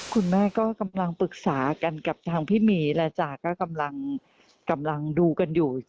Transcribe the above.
คุณแม่ก็กำลังปรึกษากันกับทางพี่หมีและจ๋าก็กำลังดูกันอยู่